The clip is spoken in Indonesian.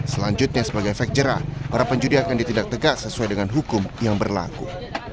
selanjutnya sebagai efek jerah para penjudi akan ditindak tegas sesuai dengan hukum yang berlaku